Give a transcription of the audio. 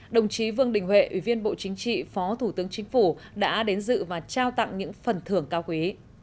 đồng chí vương đình huệ ủy viên bộ chính trị phó thủ tướng chính phủ đã đến dự và trao tặng những phần thưởng cao quý